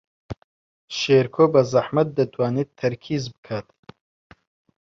شێرکۆ بەزەحمەت دەتوانێت تەرکیز بکات.